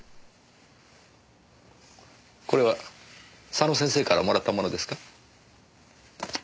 これは佐野先生からもらったものですか？